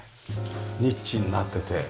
ニッチになってて。